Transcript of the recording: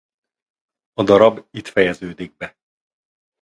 A darab itt fejeződik be.